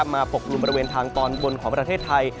ปกลุ่มบริเวณทางตอนบนของประเทศไทย